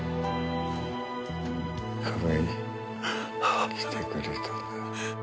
亀井来てくれたんだ。